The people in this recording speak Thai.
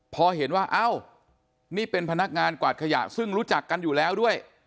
พอเห็นว่าเอ้านี่เป็นพนักงานกวาดขยะซึ่งรู้จักกันอยู่แล้วด้วย